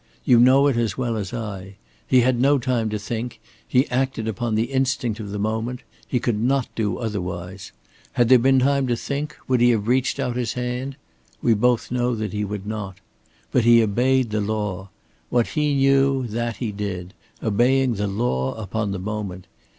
You know it as well as I. He had no time to think; he acted upon the instinct of the moment; he could not do otherwise. Had there been time to think, would he have reached out his hand? We both know that he would not. But he obeyed the law. What he knew, that he did, obeying the law upon the moment.